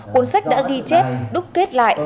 cuốn sách đã ghi chép đúc kết lại